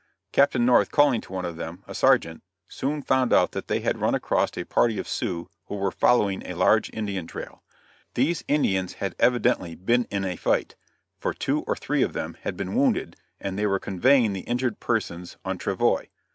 Captain North calling to one of them a sergeant soon found out that they had run across a party of Sioux who were following a large Indian trail. These Indians had evidently been in a fight, for two or three of them had been wounded and they were conveying the injured persons on travois.